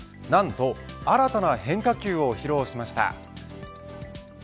なんと新たな変化球を披露しました。